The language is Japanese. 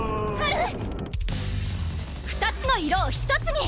２つの色を１つに！